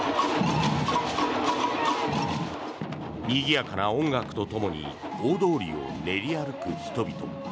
にぎやかな音楽とともに大通りを練り歩く人々。